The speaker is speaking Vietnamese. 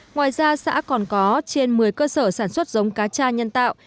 ngoài ra xã còn có trên một mươi cơ sở sản xuất giống cá cha nhân tạo